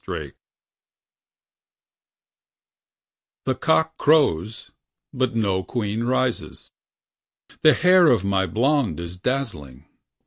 pdf The cock crows But no queen rises. The hair of my blonde Is dazzling.